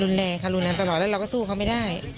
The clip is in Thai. รุนแรงค่ะรุนแรงตลอดแล้วเราก็สู้เขาไม่ได้